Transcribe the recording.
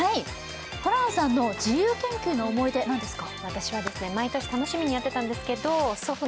ホランさんの自由研究の思い出、何ですか？